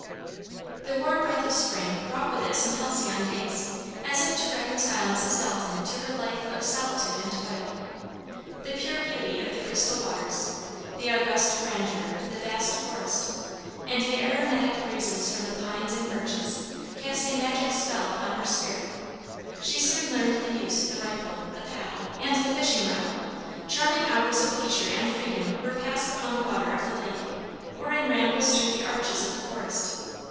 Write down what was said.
The warm breath of spring brought with it some halcyon days, as if to reconcile Mrs. Dalton to her life of solitude and toil. The pure beauty of the crystal waters, the august grandeur of the vast forest, and the aromatic breezes from the pines and birches, cast a magic spell upon her spirit. She soon learned the use of the rifle, the paddle, and the fishing rod. Charming hours of leisure and freedom were passed upon the water of the lake, or in rambles through the arches of the forest.